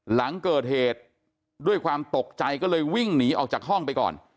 หลังเกิดเหตุด้วยความตกใจก็เลยวิ่งหนีออกจากห้องไปก่อน